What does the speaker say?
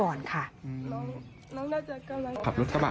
น้องน้องน่าจะกำลังขับรถกระบะ